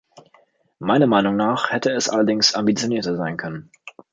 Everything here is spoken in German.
Meiner Meinung nach hätte es allerdings ambitionierter sein können.